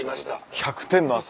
１００点の朝。